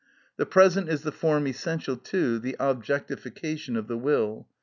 The present is the form essential to the objectification of the will.